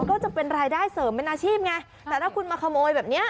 ก็จะเป็นรายได้เสริมเป็นอาชีพไงแต่ถ้าคุณมาขโมยแบบเนี้ย